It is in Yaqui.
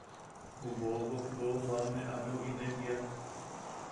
Ju boobok boʼojoame ameu inen jiak: